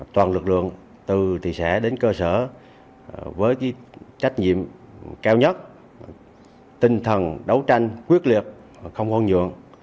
toàn lực lượng từ thị xã đến cơ sở với trách nhiệm cao nhất tinh thần đấu tranh quyết liệt không hôn nhượng